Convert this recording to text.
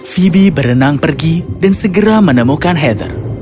phobi berenang pergi dan segera menemukan heather